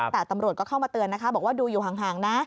แต่ตำรวจก็เข้ามาเตือนนะคะบอกว่าดูอยู่ห่างนะ